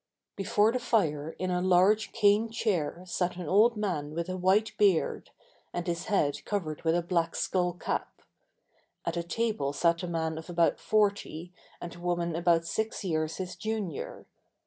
Before the fire in a large cane chair sat an old man with a white beard, and his head covered with a black skull cap. At a table sat a man of about forty and a woman about six years his junior.